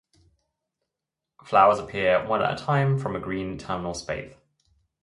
Flowers appear one at a time from a green terminal spathe.